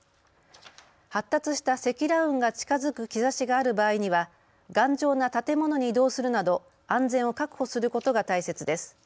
発達した積乱雲が近づく兆しがある場合には頑丈な建物に移動するなど安全を確保することが大切です。